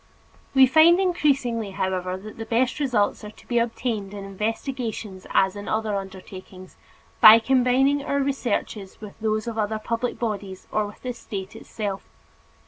We find increasingly, however, that the best results are to be obtained in investigations as in other undertakings, by combining our researches with those of other public bodies or with the State itself.